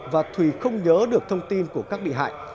và thùy không nhớ được thông tin của các bị hại